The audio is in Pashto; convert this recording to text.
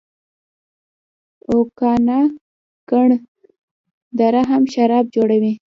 اوکاناګن دره هم شراب جوړوي.